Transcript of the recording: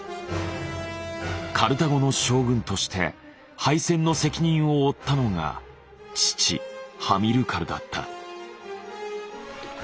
カルタゴの将軍として敗戦の責任を負ったのが父ハミルカルだった。